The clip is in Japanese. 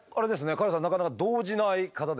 カラスさんなかなか動じない方ですね。